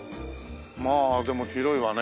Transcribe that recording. まあでも広いわね。